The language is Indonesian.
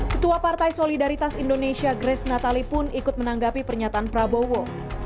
ketua partai solidaritas indonesia grace natali pun ikut menanggapi pernyataan prabowo